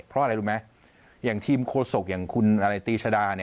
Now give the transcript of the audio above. เพราะอะไรรู้ไหมอย่างทีมโฆษกอย่างคุณอะไรตีชดา